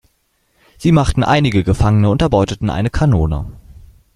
Sie machten einige Gefangene und erbeuteten eine Kanone.